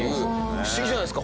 不思議じゃないですか？